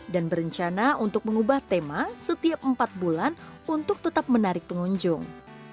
dan berencana untuk mengubah tema setiap empat bulan untuk tetap menarik pengunjung